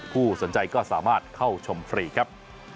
ผู้สนใจก็สามารถเข้าชมฟรีครับ